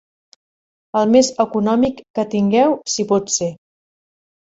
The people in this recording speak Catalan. El més econòmic que tingueu si pot ser.